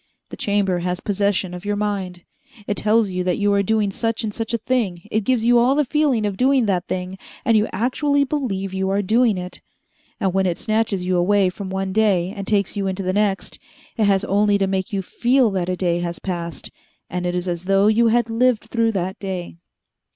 The Chamber has possession of your mind. It tells you that you are doing such and such a thing, it gives you all the feeling of doing that thing, and you actually believe you are doing it. And when it snatches you away from one day and takes you into the next, it has only to make you feel that a day has passed, and it is as though you had lived through that day.